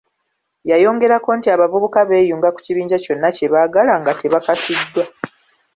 Yayongerako nti abavubuka beeyunga ku kibinja kyonna kye baagala nga tebakakiddwa.